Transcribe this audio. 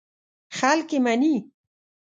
خلک یې مني.